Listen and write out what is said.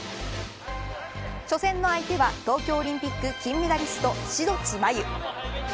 初戦の相手は東京オリンピック金メダリスト志土地真優。